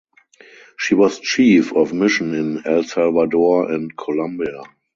She was Chief of Mission in El Salvador and Colombia.